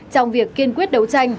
trong việc kiên quyết đấu tranh